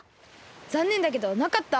ざんねんだけどなかった。